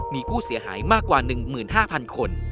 มีผู้เสียหายมากกว่า๑๕๐๐คน